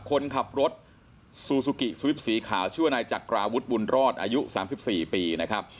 คนขับรถซูซูกิสวิปสีขาวชื่อว่านายจักราวุฒิบุญรอดอายุ๓๔ปีนะครับ